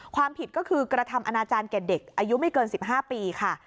ความผิดก็คือกระทำอนาจารย์แก่เด็กอายุไม่เกิน๑๕ปีค่ะ